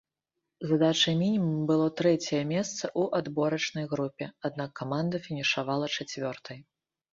Задачай-мінімум было трэцяе месца ў адборачнай групе, аднак каманда фінішавала чацвёртай.